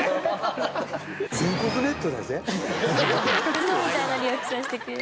ウソみたいなリアクションしてくれる。